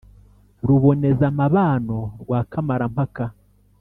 Ruboneza-mabano rwa Kamara-mpaka,